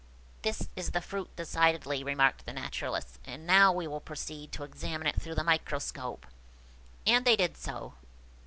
"This is the fruit decidedly," remarked the Naturalist; "and now we will proceed to examine it through the microscope." And they did so.